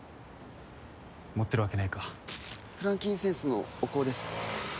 持ってるわけねえかフランキンセンスのお香です